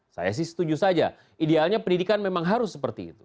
saya sih setuju saja idealnya pendidikan memang harus seperti itu